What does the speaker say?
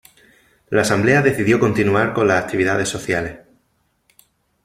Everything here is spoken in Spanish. La asamblea decidió continuar con las actividades sociales.